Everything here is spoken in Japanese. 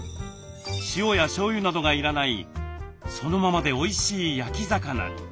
塩やしょうゆなどが要らないそのままでおいしい焼き魚に。